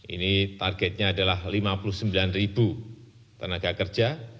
ini targetnya adalah lima puluh sembilan ribu tenaga kerja